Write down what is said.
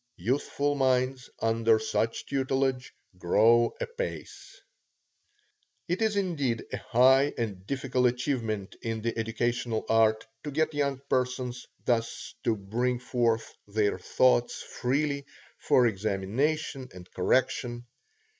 Youthful minds under such tutelage grow apace. It is indeed a high and difficult achievement in the educational art, to get young persons thus to bring forth their thoughts freely for examination and correction.